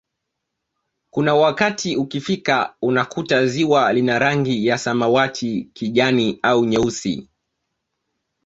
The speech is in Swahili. Kuna wakati ukifika unakuta ziwa lina rangi ya samawati kijani au nyeusi